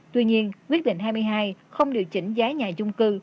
tuy nhiên quyết định hai mươi hai không điều chỉnh giá nhà chung cư